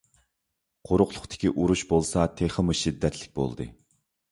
قۇرۇقلۇقتىكى ئۇرۇش بولسا تېخىمۇ شىددەتلىك بولدى.